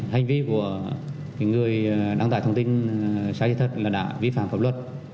hành vi của người đăng tài thông tin sai trái thật là đã vi phạm pháp luật